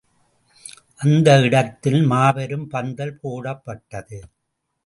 அந்த இடத்தில் மாபெரும் பந்தல் போடப்பட்டது.